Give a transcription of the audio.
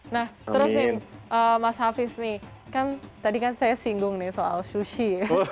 nah terus nih mas hafiz nih kan tadi kan saya singgung nih soal sushi